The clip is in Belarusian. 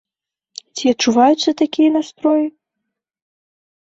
Ці адчуваюцца такія настроі?